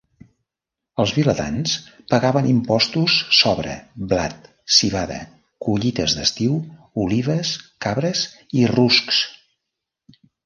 Els vilatans pagaven impostos sobre blat, civada, collites d'estiu, olives, cabres i ruscs.